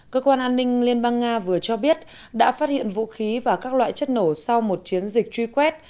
cơ quan an ninh liên bang nga vừa cho biết đã phát hiện vũ khí và các loại chất nổ sau một chiến dịch truy quét